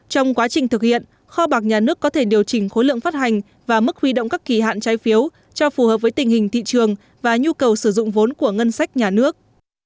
trong quá trình thực hiện kho bạc nhà nước có thể điều chỉnh khối lượng phát hành và mức huy động các kỳ hạn trái phiếu cho phù hợp với tình hình thị trường và nhu cầu sử dụng vốn của ngân sách nhà nước